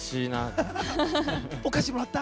お菓子もらった？